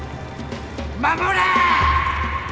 守れ！